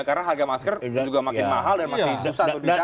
karena harga masker juga makin mahal dan masih susah untuk dicari